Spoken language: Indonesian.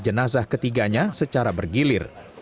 jenazah ketiganya secara bergilir